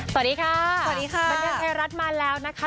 สวัสดีค่ะสวัสดีค่ะบันเทิงไทยรัฐมาแล้วนะคะ